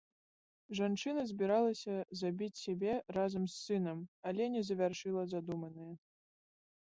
Жанчына збіралася забіць сябе разам з сынам, але не завяршыла задуманае.